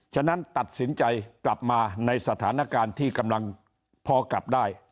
ฉะนั้นตัดสินใจกลับมาในสถานการณ์ที่กำลังพอกลับได้